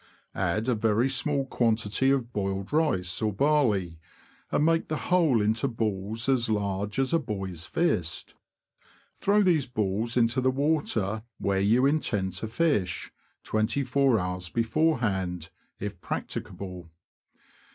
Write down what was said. Add a very small quantity of boiled rice or barley, and make the whole into balls as large as a boy's fist. Throw these balls into the water where you intend to fish, twenty four hours beforehand, if practicable.